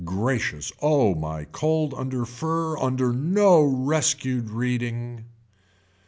Gracious oh my cold under fur, under no rescued reading.